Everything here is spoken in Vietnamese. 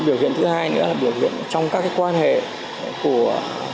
biểu hiện thứ hai nữa là biểu hiện trong các quan hệ của